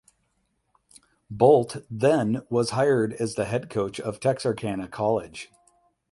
Bolt then was hired as the head coach of Texarkana College.